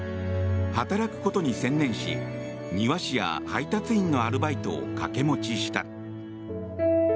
働くことに専念し庭師や配達員のアルバイトを掛け持ちした。